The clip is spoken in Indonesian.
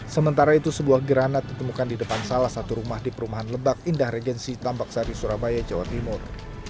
sementara itu sebuah granat ditemukan di depan salah satu rumah di perumahan lebak indah regensi tambak sari surabaya jawa timur